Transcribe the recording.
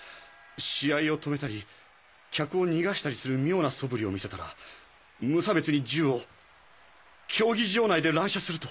試合を止めたり客を逃がしたりする妙な素振りを見せたら無差別に銃を競技場内で乱射すると。